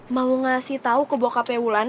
mau ngasih tau ke bokapnya wulan